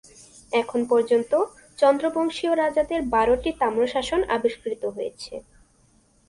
এখন পর্যন্ত চন্দ্রবংশীয় রাজাদের বারোটি তাম্রশাসন আবিষ্কৃত হয়েছে।